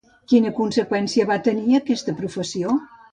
Quina conseqüència va tenir, aquesta professió?